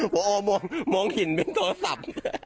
หัวมองหินเป็นสับ